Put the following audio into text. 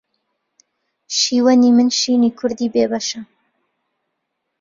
شیوەنی من شینی کوردی بێ بەشە